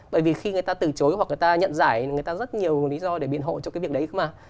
bởi vì khi người ta từ chối hoặc người ta nhận giải người ta rất nhiều lý do để biện hộ cho cái việc đấy không mà